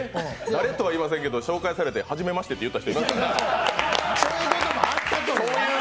誰とは言いませんけど、紹介されてはじめましてって言った人もいたという。